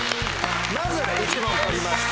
まずは１問取りました。